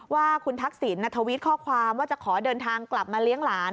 ว่าคุณทักษิณทวิตข้อความว่าจะขอเดินทางกลับมาเลี้ยงหลาน